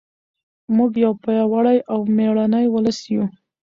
موږ یو پیاوړی او مېړنی ولس یو.